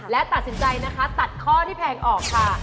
และตัดสินใจนะคะตัดข้อที่แพงออกค่ะ